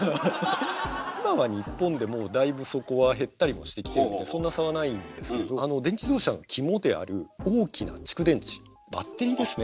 今は日本でもだいぶそこは減ったりもしてきてるんでそんな差はないんですけど電気自動車の肝である大きな蓄電池バッテリーですね